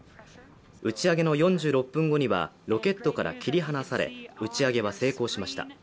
打ち上げの４６分後にはロケットから切り離され打ち上げは成功しました。